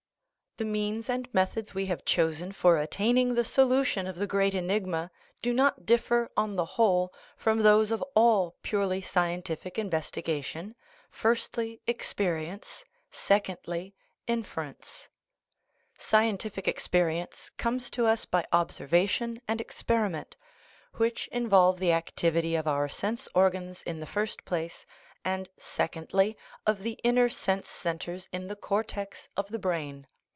The means and methods we have chosen for attain ing the solution of the great enigma do not differ, on the whole, from those of all purely scientific investiga tion firstly, experience; secondly, inference. Scien tific experience comes to us by observation and experi ment, which involve the activity of our sense organs in the first place, and, secondly, of the inner sense centres in the cortex of the brain.